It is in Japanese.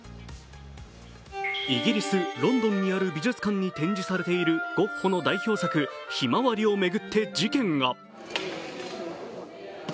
イギリス・ロンドンにある美術館に展示されているゴッホの代表作「ひまわり」を巡って事件が。